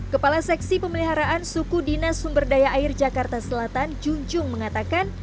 kepala seksi pemeliharaan suku dinasumberdaya air jakarta selatan junjung mengatakan